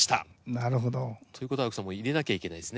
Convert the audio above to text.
なるほど。ということは青木さんもう入れなきゃいけないですね。